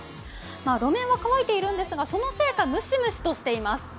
路面は乾いているんですがそのせいかムシムシとしています。